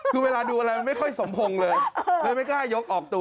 คือเวลาดูอะไรมันไม่ค่อยสมพงษ์เลยเลยไม่กล้ายกออกตัว